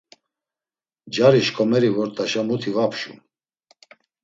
Cari şǩomeri vort̆aşa muti va pşum.